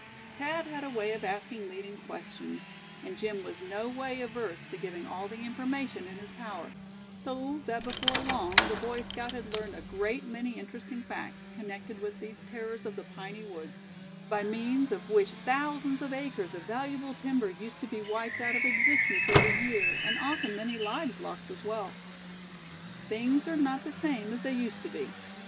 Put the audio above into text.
Thad had a way of asking leading questions, and Jim was no way averse to giving all the information in his power; so that before long the Boy Scout had learned a great many interesting facts connected with these terrors of the piney woods, by means of which thousands of acres of valuable timber used to be wiped out of existence every year, and often many lives lost as well. Things are not the same as they used to be.